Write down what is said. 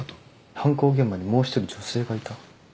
犯行現場にもう１人女性がいた？